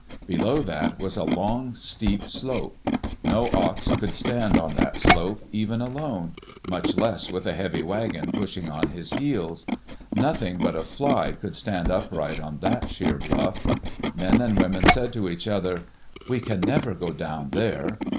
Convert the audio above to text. Below that was a long, steep slope. No ox could stand on that slope, even alone; much less with a heavy wagon pushing on his heels. Nothing but a fly could stand upright on that sheer bluff. Men and women said to each other, "We can never go down there."